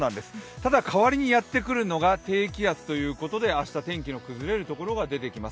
ただ代わりにやってくるのが低気圧ということで、明日、天気の崩れる所が出てきます。